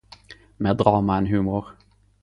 Meir drama enn humor.